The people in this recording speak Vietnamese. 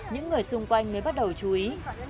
những người xung quanh mới bắt đầu chú ý